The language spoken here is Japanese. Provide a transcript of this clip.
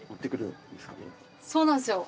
そうなんですよ。